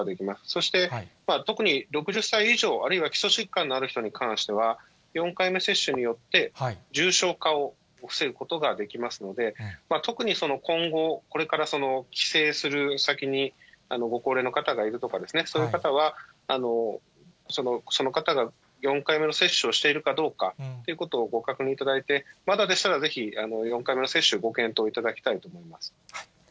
そして特に６０歳以上、あるいは基礎疾患のある人に関しては、４回目接種によって、重症化を防ぐことができますので、特に今後、これから帰省する先にご高齢の方がいるとかですね、そういう方は、その方が４回目の接種をしているかどうかということをご確認いただいて、まだでしたら、ぜひ４回目の接種、ご検討いただきたいと思います。